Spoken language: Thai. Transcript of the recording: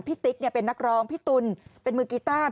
ติ๊กเป็นนักร้องพี่ตุ๋นเป็นมือกีต้า